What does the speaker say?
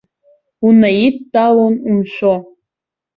Унаидтәалон умшәо.